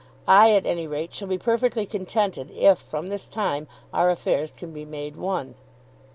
I at any rate shall be perfectly contented if from this time our affairs can be made one.